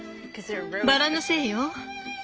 バラのせいよ。